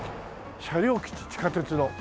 車両基地地下鉄の。